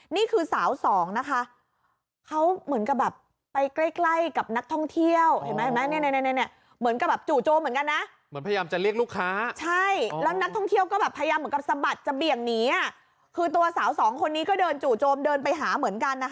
นี่คือสาวสองนะคะเขาเหมือนกับแบบไปใกล้กับนักท่องเที่ยวเห็นไหม